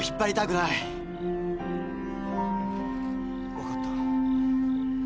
分かった。